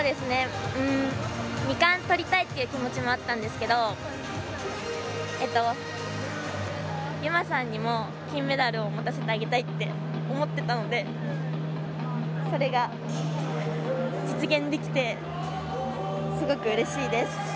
２冠取りたいって気持ちもあったんですけど悠麻さんにも金メダルを持たせてあげたいって思っていたのでそれが実現できてすごくうれしいです。